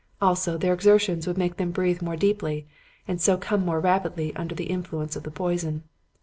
Also, their exertions would make them breathe more deeply and so come more rapidly under the influence of the poison.